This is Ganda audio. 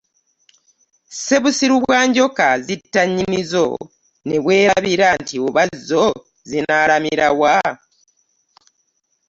Ssebussiru bwa Njoka, zitta nnyinnizo ne weebuuza nti oba zo zinaalamira wa ?